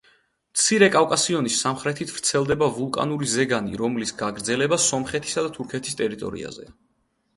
მცირე კავკასიონის სამხრეთით ვრცელდება ვულკანური ზეგანი, რომლის გაგრძელება სომხეთისა და თურქეთის ტერიტორიაზეა.